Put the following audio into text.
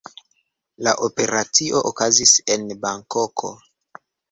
La operacio okazis en Bankoko.